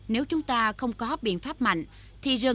nếu chúng ta không có biện pháp mạnh